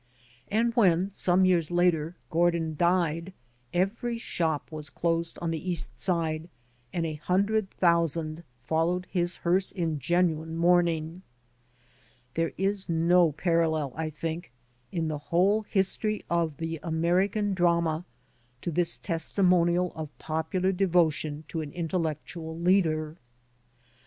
And when, some years later, Gordin diea, every shop was closed on the East Side and a himdred thousand followed his hearse in genuine mourning. There is no parallel, I think, in the whole history of the American drama to this testimonial of popular devotion to an intellectual leader.